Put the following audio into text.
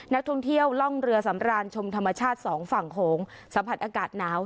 นักท่องเที่ยวล่องเรือสำราญชมธรรมชาติสองฝั่งโขงสัมผัสอากาศหนาว